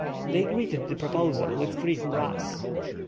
They greeted the proposal with three hurrahs.